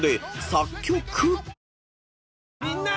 みんな！